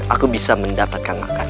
aku bisa mendapatkan makanan